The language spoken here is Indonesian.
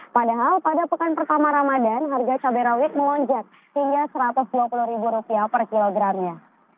padahal pada pekan pertama ramadan harga cabai rawit melonjak hingga rp satu ratus dua puluh per kilogramnya